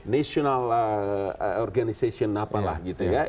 national organization apalah gitu ya